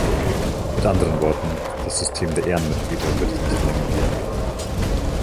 Mit anderen Worten, das System der Ehrenmitglieder wird es nicht länger geben.